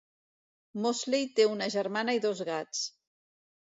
Mosley té una germana i dos gats.